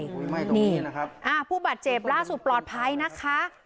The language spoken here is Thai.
ไหม้ตรงนี้นะครับอ่าผู้บาดเจ็บล่าสูตรปลอดภัยนะคะ